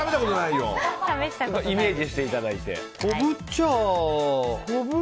イメージしていただいて。